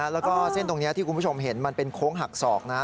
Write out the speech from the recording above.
แล้วก็เส้นตรงนี้ที่คุณผู้ชมเห็นมันเป็นโค้งหักศอกนะ